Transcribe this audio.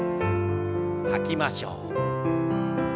吐きましょう。